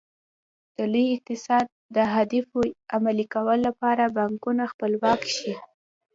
د لوی اقتصاد د اهدافو عملي کولو لپاره بانکونه خپلواک شي.